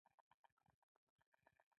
شېرمحمد ښيښې ته نوک ونيو.